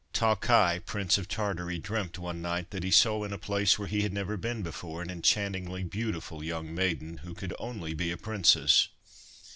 Ta Khai, Prince of Tartary, dreamt one night that he saw in a place where he had never been before an enchantingly beautiful young maiden who could only be a princess.